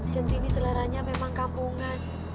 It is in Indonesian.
centini seleranya memang kampungan